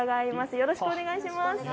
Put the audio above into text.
よろしくお願いします。